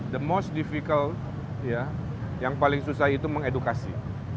the most difficult ya yang paling susah itu mengedukasi